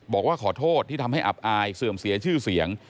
บอกว่าขอโทษที่ทำให้อับอายเสื่อมเสียชื่อเสียง